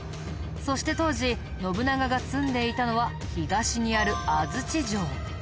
そして当時信長が住んでいたのは東にある安土城。